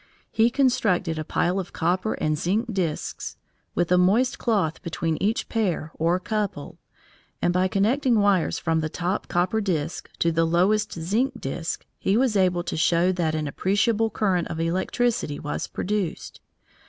He constructed a pile of copper and zinc discs, with a moist cloth between each pair or couple, and by connecting wires from the top copper disc to the lowest zinc disc he was able to show that an appreciable current of electricity was produced.